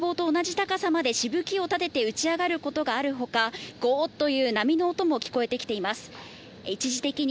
時おり堤防と同じ高さまでしぶきを立てて打ちあがることがあるほか、ごという波の音も聞こえています。